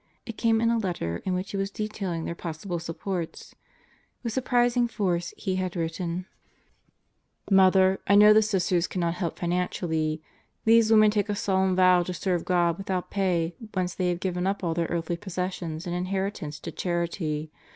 It came in a letter in which he was detailing their possible supports. With surprising force he had written: 116 God Goes to Murderers Row Mother, I know the Sisters cannot help financially. These women take a solemn vow to serve God without pay once they have given up all their earthly possessions and inheritance to charity.